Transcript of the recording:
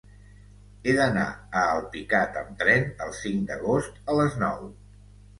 He d'anar a Alpicat amb tren el cinc d'agost a les nou.